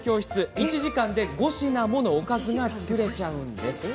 １時間で５品ものおかずが作れちゃうんです。